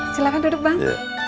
silahkan duduk bang